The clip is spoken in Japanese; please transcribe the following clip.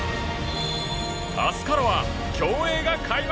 明日からは競泳が開幕！